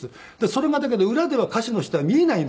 それがだけど裏では歌手の人は見えないんですよ。